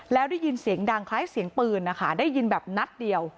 แล้วได้ยินเสียงดังคล้ายเสียงปืนนะคะได้ยินแบบนัดเดียว